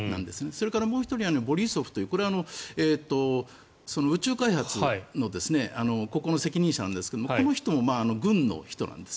それからもう１人ボリソフというこれは宇宙開発のここの責任者なんですがこの人も軍の人なんです。